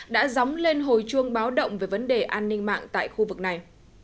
đã dóng lên hồi chuông báo động về vấn đề an ninh mạng tại khu vực này